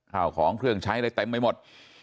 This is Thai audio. ข้าวของเครื่องใช้อะไรเต็มไปหมด